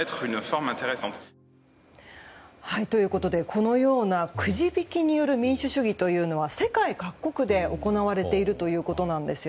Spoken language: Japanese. このようなくじ引き民主主義というのは世界各国で行われているということです。